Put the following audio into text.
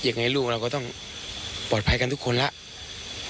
ยังไงลูกเราก็ต้องปลอดภัยกันทุกคนแล้ว